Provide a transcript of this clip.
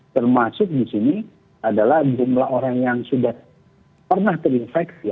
termasuk di sini adalah jumlah orang yang sudah pernah terinfeksi